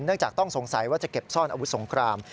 จากต้องสงสัยว่าจะเก็บซ่อนอาวุธสงคราม